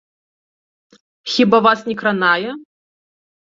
Хіба вас не кранае?